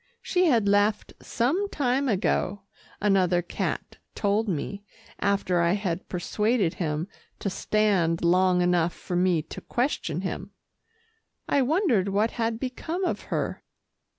She had left some time ago, another cat told me, after I had persuaded him to stand long enough for me to question him. I wondered what had become of her.